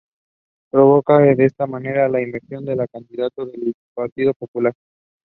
Many articles have been published in this paper on the identity of Kosovo Albanians.